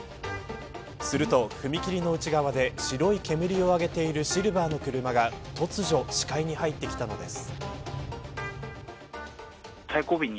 すると、踏切の内側で白い煙を上げているシルバーの車が突如視界に入ってきたのです。